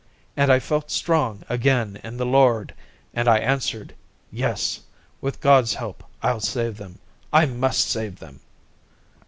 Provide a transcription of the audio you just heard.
And I felt strong again in the Lord, and I answered: 'Yes, with God's help I'll save them. I must save them.'"